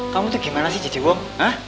kamu tuh gimana sih jadi wong